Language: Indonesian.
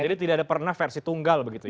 jadi tidak ada pernah versi tunggal begitu ya